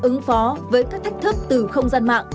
ứng phó với các thách thức từ không gian mạng